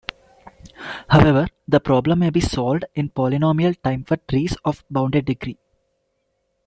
However, the problem may be solved in polynomial time for trees of bounded degree.